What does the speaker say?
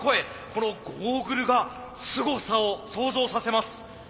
このゴーグルがすごさを想像させます。